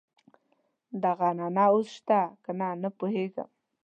دغه عنعنه اوس شته کنه نه پوهېږم.